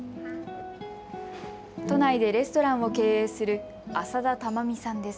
都内でレストランを経営する浅田圭美さんです。